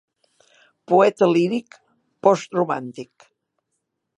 Poeta líric, postromàntic.